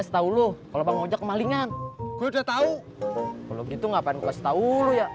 kalau dia berminat besok datang ke rumah saya